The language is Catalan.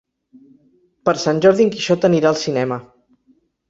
Per Sant Jordi en Quixot anirà al cinema.